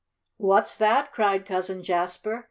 "What's that?" cried Cousin Jasper.